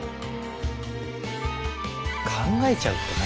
考えちゃうってね。